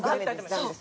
ダメです。